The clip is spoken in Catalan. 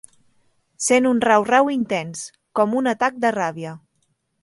Sent un rau-rau intens, com un atac de ràbia.